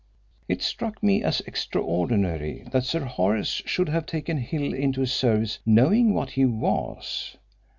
It struck me as extraordinary that Sir Horace should have taken Hill into his service knowing what he was.